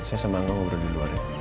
saya sama kamu berdua di luar ya